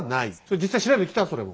実際調べてきたそれも。